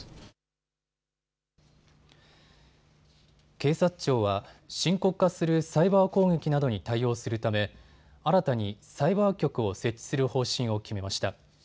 警察庁は深刻化するサイバー攻撃などに対応するため新たにサイバー局を設置する方針を決めました。